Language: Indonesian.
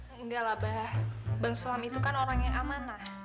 indah lah bah bang suam itu kan orang yang amanah